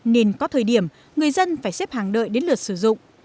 nên có thời điểm người dân phải xếp hàng đợi đến lượt sử dụng